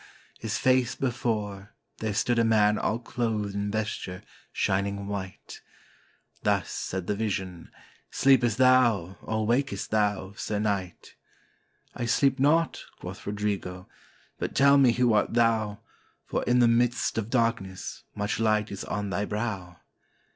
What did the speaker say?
his face be fore, There stood a man all clothed in vesture shining white. Thus said the vision: "Sleepest thou, or wakest thou, Sir Knight?" "I sleep not," quoth Rodrigo; "but tell me who art thou, For, in the midst of darkness, much light is on thy brow?"